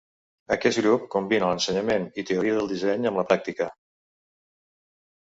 Aquest grup combina l'ensenyament i teoria del disseny amb la pràctica.